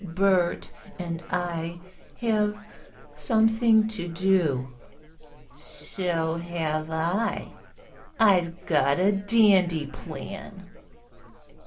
"Bert and I have something to do." "So have I. I've got a dandy plan."